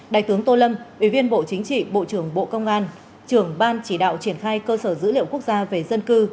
đại tướng tô lâm ủy viên bộ chính trị bộ trưởng bộ công an trưởng ban chỉ đạo triển khai cơ sở dữ liệu quốc gia về dân cư